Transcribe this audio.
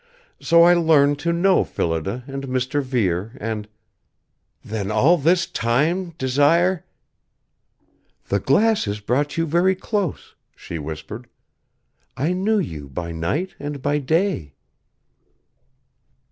So I learned to know Phillida and Mr. Vere and " "Then, all this time, Desire " "The glasses brought you very close," she whispered. "I knew you by night and by day."